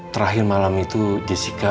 terakhir malam itu jessica